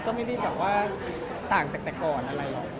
ก็ไม่ได้แบบว่าต่างจากแต่ก่อนอะไรหรอก